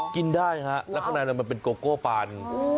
กินได้ฮะแล้วข้างในมันเป็นโกโก้ปัน